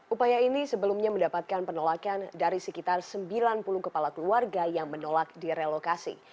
upaya ini sebelumnya mendapatkan penolakan dari sekitar sembilan puluh kepala keluarga yang menolak direlokasi